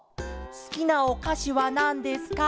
すきなおかしはなんですか？